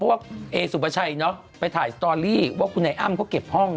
เพราะว่าเอสุปชัยเนอะไปถ่ายสตอรี่ว่าคุณไอ้อ้ำเขาเก็บห้อง